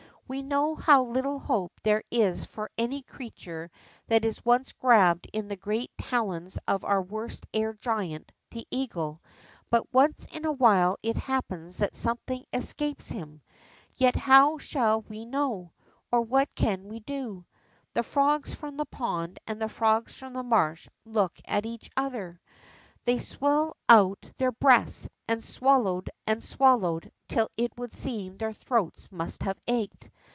We know how little hope there is for any creature that is once grabbed in the great talons of our worst air giant, the eagle, but once in awhile it happens that something escapes him. Yet how shall we know ? Or what can we do ?" The frogs from tlie pond and the frogs from the marsh looked at each other. They swelled out 38 THE BOCK FROG their breasts, and swallowed and swallowed, till it would seem their throats must have ached.